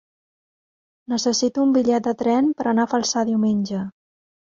Necessito un bitllet de tren per anar a Flaçà diumenge.